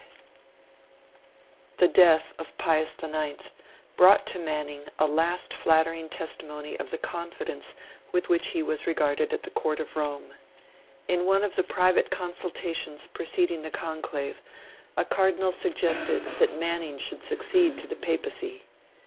IX THE death of Pius IX brought to Manning a last flattering testimony of the confidence with which he was regarded at the Court of Rome. In one of the private consultations preceding the Conclave, a Cardinal suggested that Manning should succeed to the Papacy.